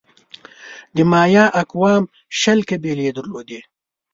د مایا اقوامو شل قبیلې درلودې.